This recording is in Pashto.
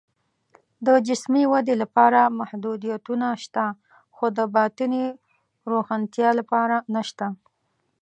د جسمي ودې لپاره محدودیتونه شته، خو د باطني روښنتیا لپاره نشته